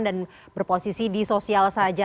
dan berposisi di sosial saja